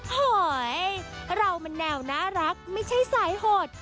โหยเรามันแนวน่ารักไม่ใช่สายโหด